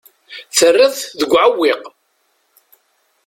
Terriḍ-t deg uɛewwiq.